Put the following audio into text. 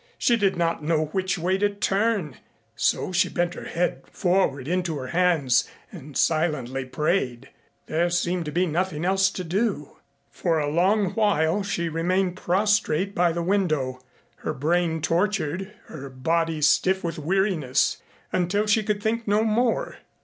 She did not know which way to turn, so she bent her head forward into her hands and silently prayed. There seemed to be nothing else to do. For a long while she remained prostrate by the window, her brain tortured, her body stiff with weariness, until she could think no more.